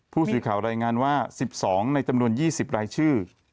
ผู้สื่อข่าวรายงานว่า๑๒ในจำนวน๒๐รายชื่อ